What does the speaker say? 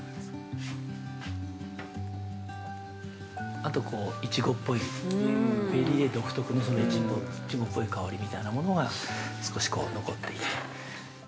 ◆あと、いちごっぽいベリーＡ独特のいちごっぽい香りみたいなものが少し残っている。